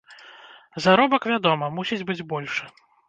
Заробак, вядома, мусіць быць большы.